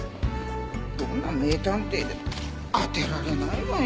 どんな名探偵でも当てられないわよ。